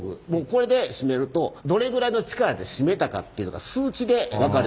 これで締めるとどれぐらいの力で締めたかっていうのが数値で分かるようになってる。